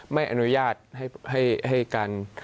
ไม่อนุญาตให้การ